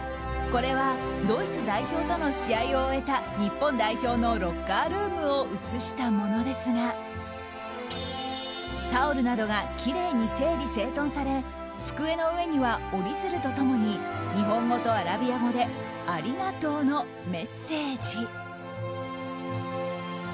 これはドイツ代表との試合を終えた日本代表のロッカールームを写したものですがタオルなどがきれいに整理整頓され机の上には折り鶴と共に日本語とアラビア語でありがとうのメッセージ。